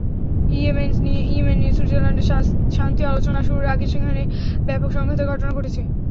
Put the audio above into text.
Yemen নিয়ে সুইজারল্যান্ডে শান্তি আলোচনা শুরুর আগে সেখানে ব্যাপক সংঘাতের ঘটনা ঘটেছে।